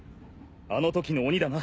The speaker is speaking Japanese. あのときの鬼だな。